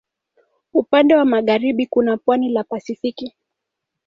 Upande wa magharibi kuna pwani la Pasifiki.